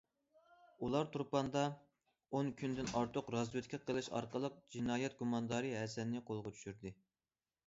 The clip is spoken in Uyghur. ئۇلار تۇرپاندا ئون كۈندىن ئارتۇق رازۋېدكا قىلىش ئارقىلىق جىنايەت گۇماندارى ھەسەننى قولغا چۈشۈردى.